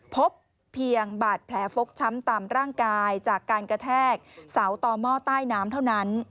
พบเพียงบาดแผลฟกช้ำตามร่างกายจากการกระแทกเสาต่อหม้อใต้น้ำเท่านั้น